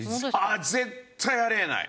絶対あり得ない。